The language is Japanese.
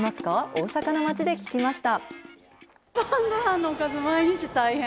大阪の街で聞きました。